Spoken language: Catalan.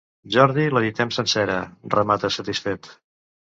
Jordi l'editem sencera —remata satisfet—.